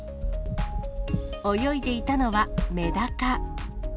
泳いでいたのはメダカ。